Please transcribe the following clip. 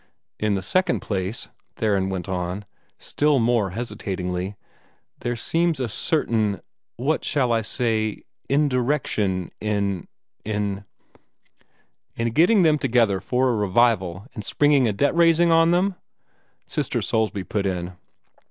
"In the second place," Theron went on, still more hesitatingly, "there seems a certain what shall I say? indirection in in " "In getting them together for a revival, and springing a debt raising on them?" Sister Soulsby put in.